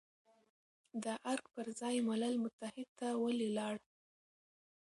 د ارګ پر ځای ملل متحد ته ولې لاړ،